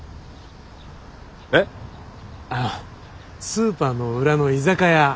スーパーの裏の居酒屋